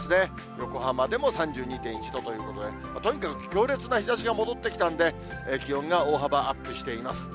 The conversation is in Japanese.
横浜でも３２．１度ということで、とにかく強烈な日ざしが戻ってきたんで、気温が大幅アップしています。